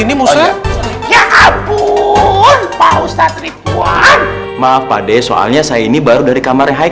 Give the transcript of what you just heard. ini musa ya ampun pak ustadz ribuan maaf pade soalnya saya ini baru dari kamar hai